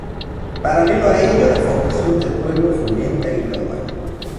Paralelo a ello la formación del pueblo fue lenta y gradual.